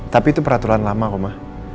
tapi itu peraturan lama kok ma